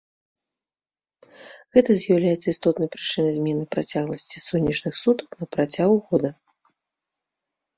Гэта з'яўляецца істотнай прычынай змены працягласці сонечных сутак на працягу года.